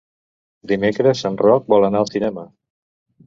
Dimecres en Roc vol anar al cinema.